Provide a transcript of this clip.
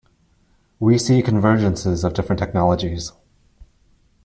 We see convergences of different technologies.